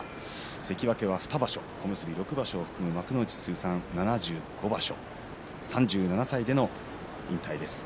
関脇は２場所、小結６場所を含む幕内通算７５場所３７歳での引退です。